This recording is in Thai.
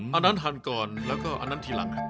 อันนั้นหั่นก่อนแล้วก็อันนั้นทีหลัง